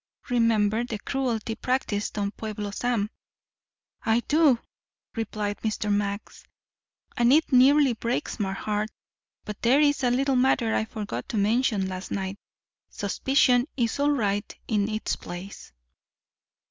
Remember the cruelty practised on Pueblo Sam." "I do," replied Mr. Max, "and it nearly breaks my heart. But there's a little matter I forgot to mention last night. Suspicion is all right in its place."